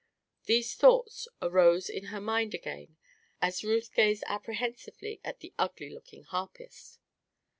These thoughts arose in her mind again as Ruth gazed apprehensively at the ugly looking harpist.